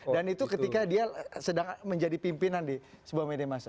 dan itu ketika dia sedang menjadi pimpinan di sebuah minimasa